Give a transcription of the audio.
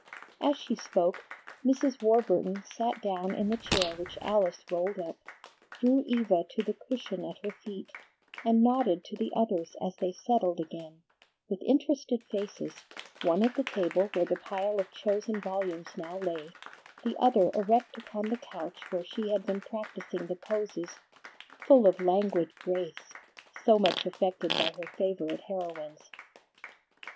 As she spoke, Mrs. Warburton sat down in the chair which Alice rolled up, drew Eva to the cushion at her feet, and nodded to the others as they settled again, with interested faces, one at the table where the pile of chosen volumes now lay, the other erect upon the couch where she had been practising the poses "full of languid grace," so much affected by her favorite heroines.